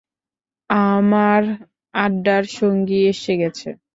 আমার আড্ডার সঙ্গী এসে গেছে!